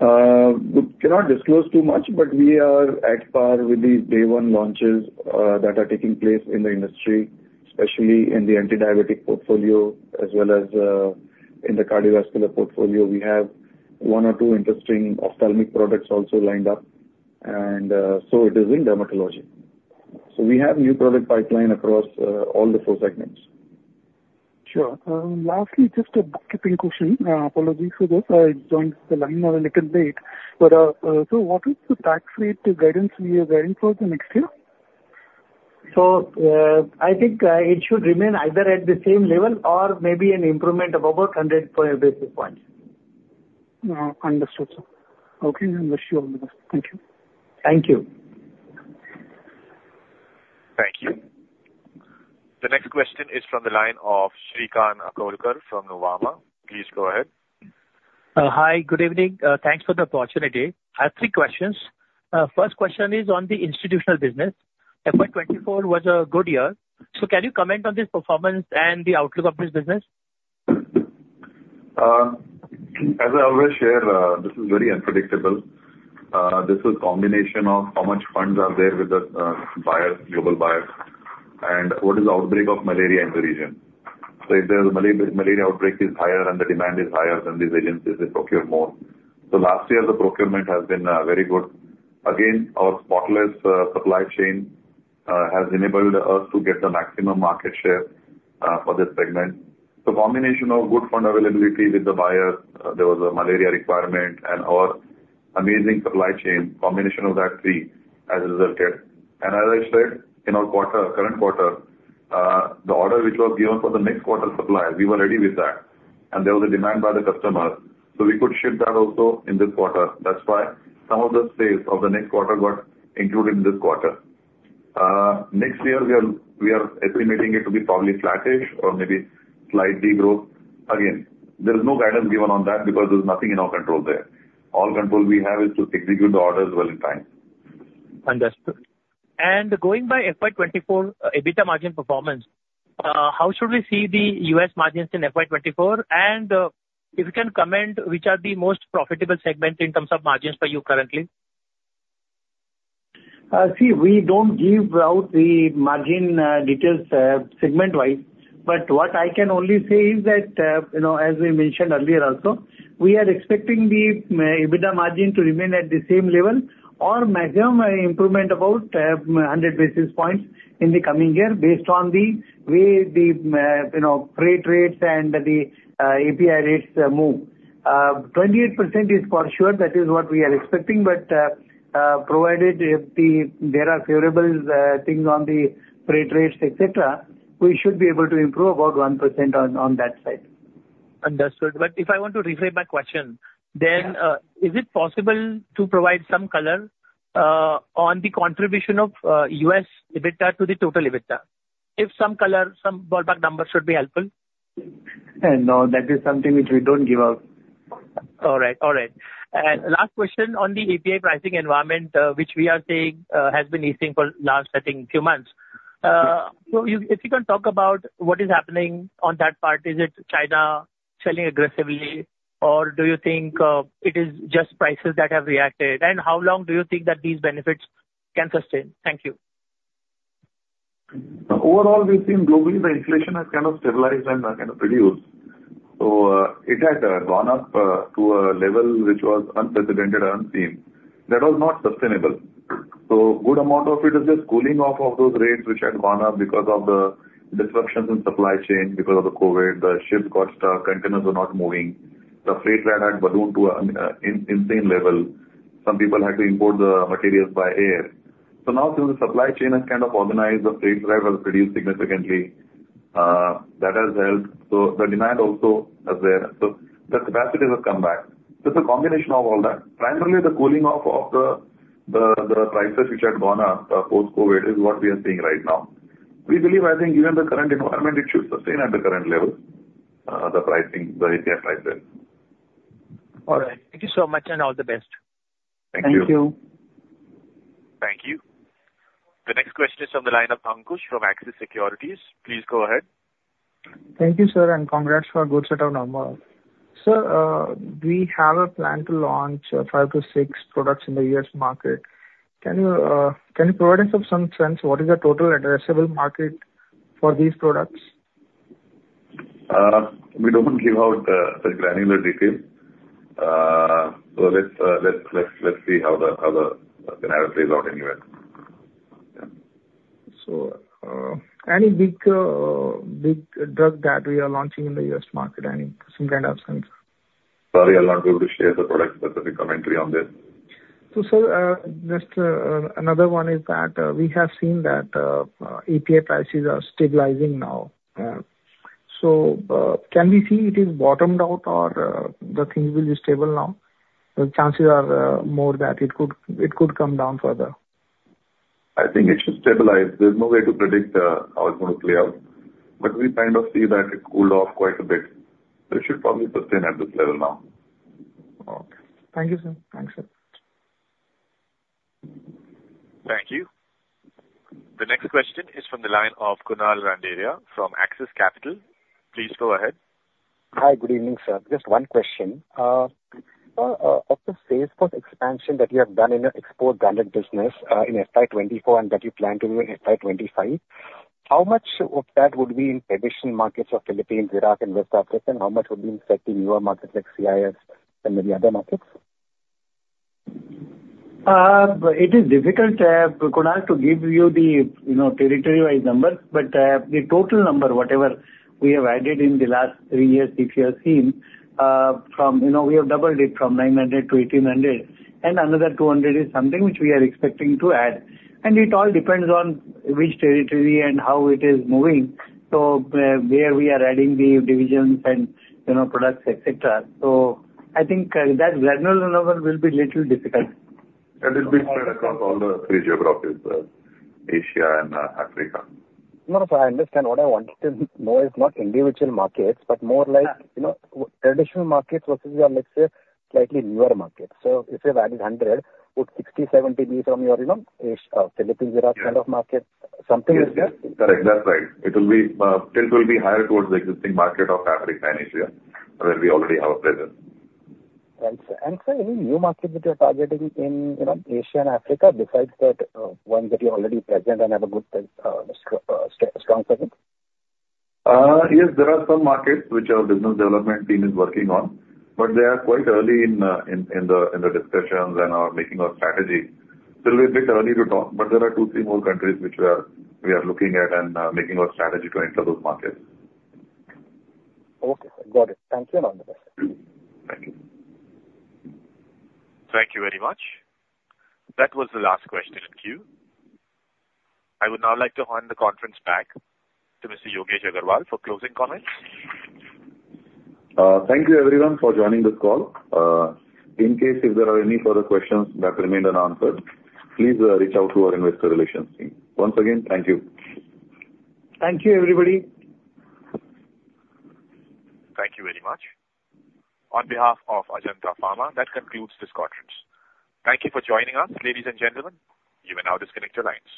Speaker 2: We cannot disclose too much, but we are at par with the day one launches that are taking place in the industry, especially in the anti-diabetic portfolio, as well as in the cardiovascular portfolio. We have one or two interesting ophthalmic products also lined up, and so it is in dermatology. So we have new product pipeline across all the four segments.
Speaker 13: Sure. Lastly, just a bookkeeping question. Apologies for this, I joined the line a little late, but so what is the tax rate guidance we are guiding for the next year?
Speaker 4: I think it should remain either at the same level or maybe an improvement of about 100 basis points.
Speaker 13: Understood, sir. Okay, wish you all the best. Thank you.
Speaker 4: Thank you.
Speaker 1: Thank you. The next question is from the line of Shrikant Akolkar from Nuvama. Please go ahead.
Speaker 14: Hi, good evening. Thanks for the opportunity. I have three questions. First question is on the institutional business. FY 2024 was a good year. Can you comment on this performance and the outlook of this business?
Speaker 2: As I always share, this is very unpredictable. This is combination of how much funds are there with the buyers, global buyers, and what is the outbreak of malaria in the region. So if the malaria outbreak is higher and the demand is higher, then these agencies, they procure more. So last year, the procurement has been very good. Again, our seamless supply chain has enabled us to get the maximum market share for this segment. The combination of good fund availability with the buyers, there was a malaria requirement, and our amazing supply chain, combination of that three has resulted. As I said, in our quarter, current quarter, the order which was given for the next quarter supply, we were ready with that, and there was a demand by the customer, so we could ship that also in this quarter. That's why some of the sales of the next quarter got included in this quarter. Next year, we are estimating it to be probably flattish or maybe slight degrowth. Again, there is no guidance given on that because there's nothing in our control there. All control we have is to execute the orders well in time.
Speaker 14: Understood. Going by FY24 EBITDA margin performance, how should we see the U.S. margins in FY24? If you can comment, which are the most profitable segments in terms of margins for you currently?
Speaker 4: See, we don't give out the margin details segment-wise, but what I can only say is that, you know, as we mentioned earlier also, we are expecting the EBITDA margin to remain at the same level or maximum improvement about 100 basis points in the coming year, based on the way the, you know, freight rates and the API rates move. 28% is for sure, that is what we are expecting, but provided if there are favorable things on the freight rates, et cetera, we should be able to improve about 1% on that side.
Speaker 14: Understood. But if I want to reframe my question-
Speaker 4: Yeah.
Speaker 14: Is it possible to provide some color on the contribution of U.S. EBITDA to the total EBITDA? If some color, some ballpark numbers should be helpful.
Speaker 2: No, that is something which we don't give out.
Speaker 14: All right. All right. Last question on the API pricing environment, which we are seeing has been easing for last, I think, few months. So if you can talk about what is happening on that part, is it China selling aggressively, or do you think it is just prices that have reacted? And how long do you think that these benefits can sustain? Thank you.
Speaker 2: Overall, we've seen globally, the inflation has kind of stabilized and, kind of reduced. So, it has gone up to a level which was unprecedented, unseen. That was not sustainable. So good amount of it is just cooling off of those rates, which had gone up because of the disruptions in supply chain, because of the COVID. The ships got stuck, containers were not moving, the freight rate had ballooned to a, insane level. Some people had to import the materials by air. So now since the supply chain has kind of organized, the freight rate has reduced significantly. That has helped. So the demand also is there, so the capacities have come back. So it's a combination of all that. Primarily, the cooling off of the prices which had gone up, post-COVID is what we are seeing right now. We believe, I think given the current environment, it should sustain at the current level, the pricing, the API pricing. All right. Thank you so much, and all the best. Thank you.
Speaker 4: Thank you.
Speaker 1: Thank you from the line of Ankush from Axis Securities, please go ahead.
Speaker 15: Thank you, sir, and congrats for a good set of numbers. Sir, do you have a plan to launch five to six.. products in the U.S. market? Can you, can you provide us with some sense what is the total addressable market for these products?
Speaker 2: We don't give out the granular detail. So let's see how the generic plays out anyway.
Speaker 15: Any big drug that we are launching in the US market, any some kind of sense?
Speaker 2: Sorry, I'm not able to share the product-specific commentary on this.
Speaker 15: Sir, just another one is that we have seen that API prices are stabilizing now. So, can we see it is bottomed out or the things will be stable now? The chances are more that it could, it could come down further.
Speaker 2: I think it should stabilize. There's no way to predict how it's going to play out, but we kind of see that it cooled off quite a bit. It should probably sustain at this level now.
Speaker 15: Okay. Thank you, sir. Thanks, sir.
Speaker 1: Thank you. The next question is from the line of Kunal Randeria from Axis Capital. Please go ahead.
Speaker 16: Hi, good evening, sir. Just one question. Of the sales force expansion that you have done in your export branded business, in FY 2024 and that you plan to do in FY 2025, how much of that would be in traditional markets of Philippines, Iraq, and West Africa? And how much would be in setting newer markets like CIS and maybe other markets?
Speaker 4: It is difficult, Kunal, to give you the, you know, territory-wide numbers, but, the total number, whatever we have added in the last three years, if you have seen, from, you know, we have doubled it from 900 to 1,800, and another 200 is something which we are expecting to add. And it all depends on which territory and how it is moving, so where we are adding the divisions and, you know, products, et cetera. So I think, that granular level will be little difficult.
Speaker 2: It will be spread across all the three geographies, Asia and Africa.
Speaker 16: No, sir, I understand. What I wanted to know is not individual markets, but more like-
Speaker 4: Yeah.
Speaker 16: You know, traditional markets versus your, let's say, slightly newer markets. So if you're adding 100, would 60, 70 be from your, you know, Philippines, Iraq kind of markets? Something like that.
Speaker 2: Yes. Yes. That, that's right. It will be, still will be higher towards the existing market of Africa and Asia, where we already have a presence.
Speaker 16: Thanks. Sir, any new markets that you're targeting in, you know, Asia and Africa, besides that, ones that you're already present and have a good market share?
Speaker 2: Yes, there are some markets which our business development team is working on, but they are quite early in the discussions and are making our strategy. So it'll be a bit early to talk, but there are two, three more countries which we are looking at and making our strategy to enter those markets.
Speaker 16: Okay, got it. Thank you and all the best.
Speaker 2: Thank you.
Speaker 1: Thank you very much. That was the last question in queue. I would now like to hand the conference back to Mr. Yogesh Agrawal for closing comments.
Speaker 2: Thank you everyone for joining this call. In case if there are any further questions that remained unanswered, please, reach out to our investor relations team. Once again, thank you.
Speaker 4: Thank you, everybody.
Speaker 1: Thank you very much. On behalf of Ajanta Pharma, that concludes this conference. Thank you for joining us, ladies and gentlemen. You may now disconnect your lines.